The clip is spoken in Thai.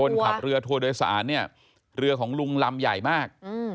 ขับเรือทัวร์โดยสารเนี่ยเรือของลุงลำใหญ่มาก